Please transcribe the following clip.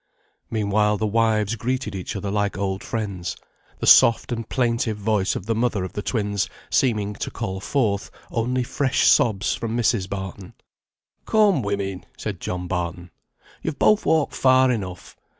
Meanwhile the wives greeted each other like old friends, the soft and plaintive voice of the mother of the twins seeming to call forth only fresh sobs from Mrs. Barton. "Come, women," said John Barton, "you've both walked far enough.